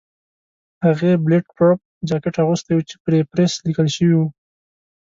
هغې بلېټ پروف جاکټ اغوستی و چې پرې پریس لیکل شوي وو.